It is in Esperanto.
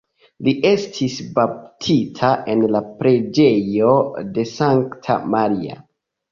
Li estis baptita en la Preĝejo de Sankta Maria.